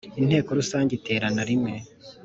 Inteko Rusange Iterana Rimwe